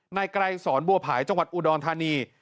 ไกรสอนบัวผายจังหวัดอุดรธานี